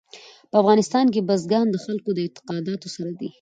په افغانستان کې بزګان د خلکو له اعتقاداتو سره دي.